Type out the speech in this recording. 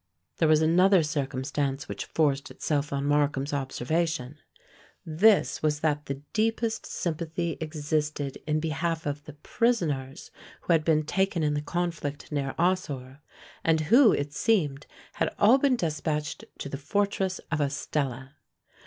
There was another circumstance which forced itself on Markham's observation: this was that the deepest sympathy existed in behalf of the prisoners who had been taken in the conflict near Ossore, and who, it seemed, had all been despatched to the fortress of Estella.